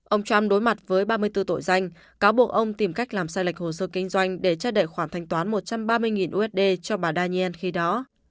ông trump đối mặt với ba mươi bốn tội danh cáo buộc ông tìm cách làm sai lệch hồ sơ kinh doanh để che đậy khoản thanh toán một trăm ba mươi usd cho bà daniel khi đó